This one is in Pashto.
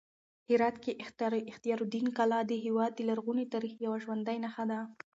هرات کې اختیار الدین کلا د هېواد د لرغوني تاریخ یوه ژوندۍ نښه ده.